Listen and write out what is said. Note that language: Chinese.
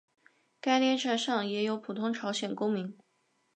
该列车上也有普通朝鲜公民。